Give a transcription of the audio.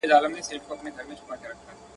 له رویباره مي پوښتمه محلونه د یارانو.